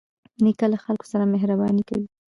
نیکه له خلکو سره مهرباني کوي.